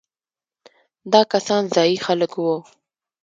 دا کسان ځايي خلک وو.